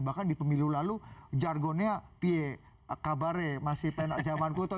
bahkan di pemilu lalu jargonnya pie kabare masih penak jaman kutu